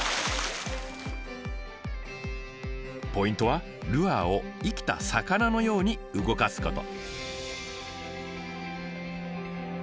ポイントはルアーを生きた魚のように動かすこと。